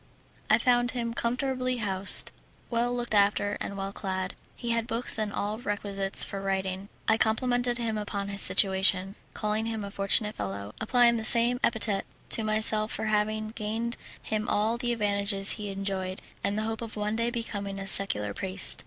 I found him comfortably housed, well looked after, and well clad; he had books and all the requisites for writing. I complimented him upon his situation, calling him a fortunate fellow, and applying the same epithet to myself for having gained him all the advantages he enjoyed, and the hope of one day becoming a secular priest.